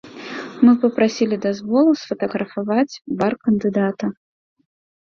Мы папрасілі дазволу сфатаграфаваць бар кандыдата.